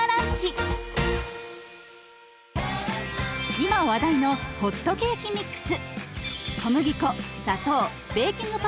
今話題のホットケーキミックス。